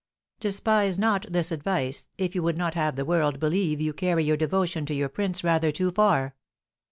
Despise not this advice, if you would not have the world believe you carry your devotion to your prince rather too far."